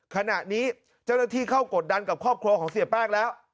ขณะนี้เจ้าหน้าที่เข้ากดดันกับครอบครัวของเสียแป้งแล้ว